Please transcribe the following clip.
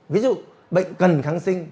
ví dụ bệnh cần kháng sinh